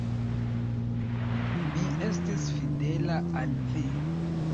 Mi estis fidela al vi!..